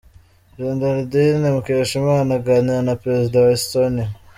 Geraldine Mukeshimana aganira na perezida wa Estonia.